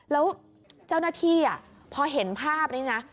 แล้วเจ้าหน้าที่พอเห็นภาพนี้นะ